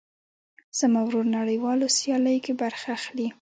زما ورور نړيوالو سیاليو کې برخه اخلي.